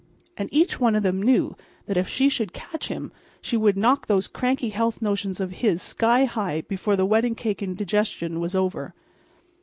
And each one of them knew that if she should catch him she would knock those cranky health notions of his sky high before the wedding cake indigestion was over.